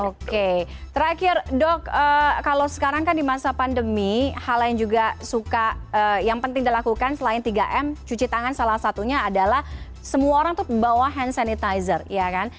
oke terakhir dok kalau sekarang kan di masa pandemi hal lain juga suka yang penting dilakukan selain tiga m cuci tangan salah satunya adalah semua orang tuh bawa hand sanitizer ya kan